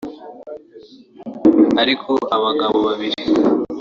Ariko abagabo babiri